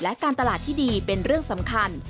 และการตลาดที่ดีเป็นเรื่องสำคัญ